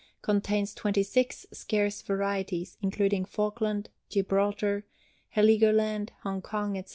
Contains 26 scarce varieties, including Falkland, Gibraltar, Heligoland, Hong Kong, etc.